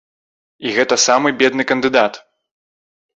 І гэта самы бедны кандыдат.